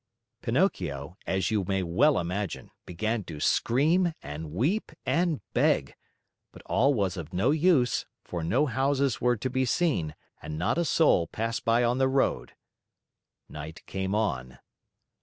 Pinocchio, as you may well imagine, began to scream and weep and beg; but all was of no use, for no houses were to be seen and not a soul passed by on the road. Night came on.